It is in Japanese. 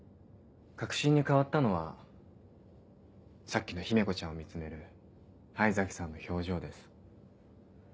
確信に変わったのはさっきの姫子ちゃんを見つめる灰崎さんの表情です。